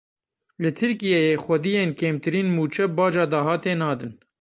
Li Tirkiyeyê xwediyên kêmtirîn mûçe baca dahatê nadin.